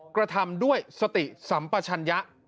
กระทำด้วยสติสัมปชัญญะ